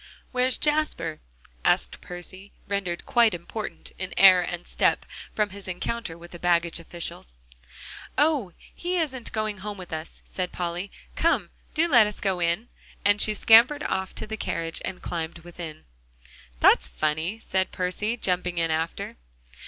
"Where's Jasper?" asked Percy, rendered quite important in air and step, from his encounter with the baggage officials. "Oh! he isn't going home with us," said Polly. "Come, do let us get in," and she scampered off to the carriage and climbed within. "That's funny," said Percy, jumping in after.